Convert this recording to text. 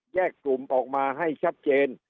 กลุ่มออกมาให้ชัดเจน